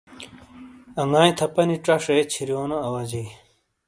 انگاٸی تھاپانی ژہ شے چھِیریونو اواجئی۔